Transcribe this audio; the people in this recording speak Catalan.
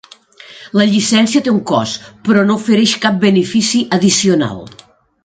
La llicència té un cost, però no ofereix cap benefici addicional.